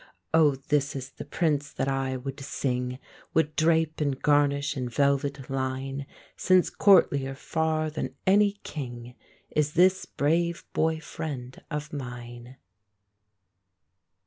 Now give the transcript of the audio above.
O, this is the Prince that I would sing Would drape and garnish in velvet line Since courtlier far than any king Is this brave boy friend of mine!